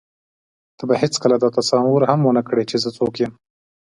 ته به هېڅکله دا تصور هم ونه کړې چې زه څوک یم.